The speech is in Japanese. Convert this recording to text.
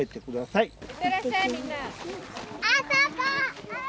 いってらっしゃい、みんな。